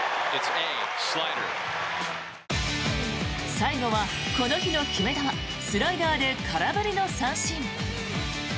最後はこの日の決め球スライダーで空振り三振。